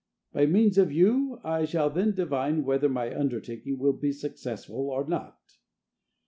By means of you I shall then divine whether my undertaking will be successful or not.